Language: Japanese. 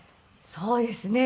そうですね。